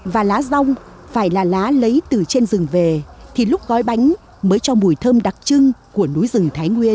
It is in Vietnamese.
và lá rong phải là lá lấy từ trên rừng về thì lúc gói bánh mới cho mùi thơm đặc trưng